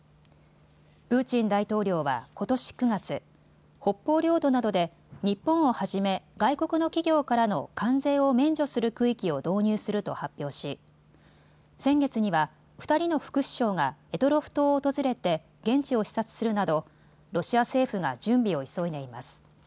プーチン大統領はことし９月、北方領土などで日本をはじめ外国の企業からの関税を免除する区域を導入すると発表し先月には２人の副首相が択捉島を訪れて現地を視察するなどロシア政府が準備を急いでいます。